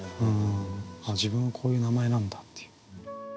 あっ自分はこういう名前なんだっていう。